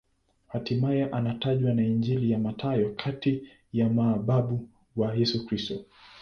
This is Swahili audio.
Hatimaye anatajwa na Injili ya Mathayo kati ya mababu wa Yesu Kristo.